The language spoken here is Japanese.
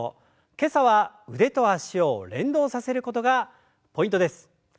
今朝は腕と脚を連動させることがポイントです。